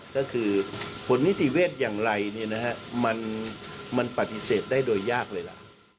ก็คือผลนิติเวชอย่างไรมันปฏิเสธได้โดยยากเลยล่ะ